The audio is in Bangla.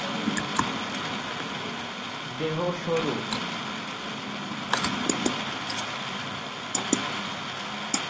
দেহ সরু।